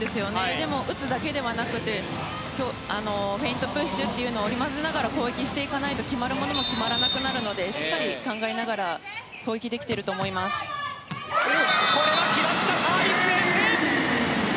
ただ打つだけではなくフェイント、プッシュを織り交ぜながら攻撃していかないと決まるものも決まらなくなるのでしっかり考えながら決まったサービスエース。